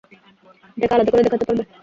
এটাকে আলাদা করতে দেখাতে পারবে?